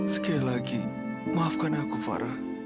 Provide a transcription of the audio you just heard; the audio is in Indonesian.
sekali lagi maafkan aku farah